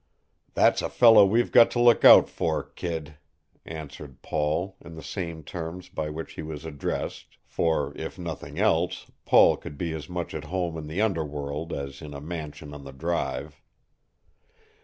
"That's a fellow we've got to look out for, kid," answered Paul, in the same terms by which he was addressed, for, if nothing else, Paul could be as much at home in the underworld as in a mansion on the Drive.